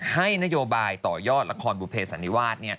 ให้นโยบายต่อยอดละครบูเพศสานีวาด